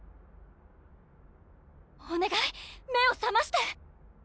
おねがい目をさまして！